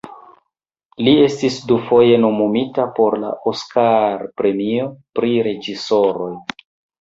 Li estis dufoje nomumita por la Oskar-premio pri reĝisoroj.